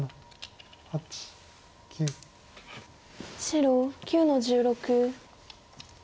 白９の十六。